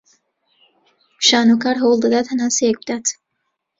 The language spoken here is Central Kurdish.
شانۆکار هەوڵ دەدات هەناسەیەک بدات